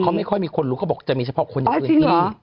เขาไม่ค่อยมีคนรู้เขาบอกจะมีเฉพาะคนในพื้นที่